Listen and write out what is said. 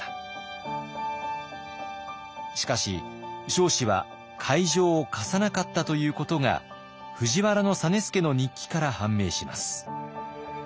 しかし彰子は会場を貸さなかったということが藤原実資の日記から判明します。